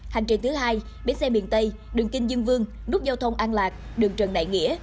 hành trình thứ hai bến xe miền tây đường kinh dương vương nút giao thông an lạc đường trần đại nghĩa